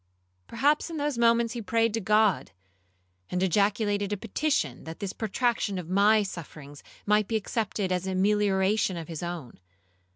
Perhaps in those moments he prayed to God, and ejaculated a petition, that this protraction of my sufferings might be accepted as a melioration of his own.